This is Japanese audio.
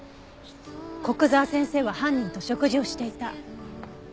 古久沢先生は犯人と食事をしていた。